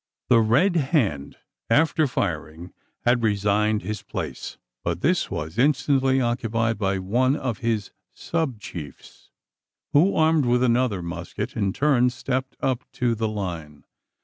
The Red Hand, after firing, had resigned his place; but this was instantly occupied by one of his sub chiefs, who, armed with another musket, in turn stepped up to the line.